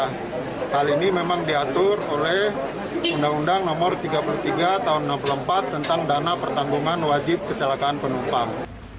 hal ini memang diatur oleh undang undang nomor tiga puluh tiga tahun seribu sembilan ratus enam puluh empat tentang dana pertanggungan wajib kecelakaan penumpang